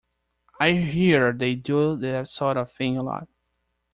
I hear they do that sort of thing a lot.